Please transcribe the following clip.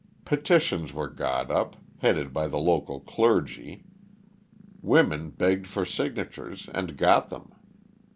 Petitions were got up, headed by the local clergy. Women begged for signatures, and got them.